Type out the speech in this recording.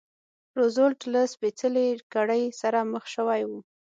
روزولټ له سپېڅلې کړۍ سره مخ شوی و.